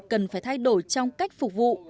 cần phải thay đổi trong cách phục vụ